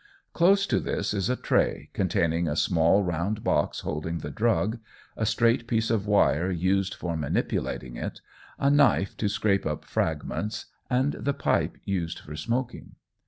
Close to this is a tray, containing a small round box holding the drug, a straight piece of wire used for manipulating it, a knife to scrape up fragments, and the pipe used for smoking.